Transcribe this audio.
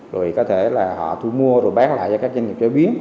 rồi có thể là họ thu mua rồi bán lại cho các doanh nghiệp chế biến